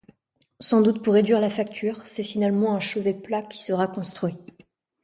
Sans doute pour réduire la facture, c’est finalement un chevet plat qui sera construit.